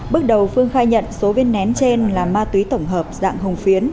bước đầu phương khai nhận số viên nén trên là ma túy tổng hợp dạng hồng phiến